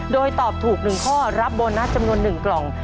โดยตอบถูก๑ข้อรับโบนัสจำนวน๑กล่อง